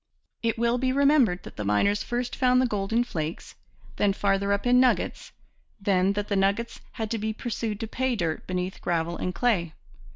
It will be remembered that the miners first found the gold in flakes, then farther up in nuggets, then that the nuggets had to be pursued to pay dirt beneath gravel and clay.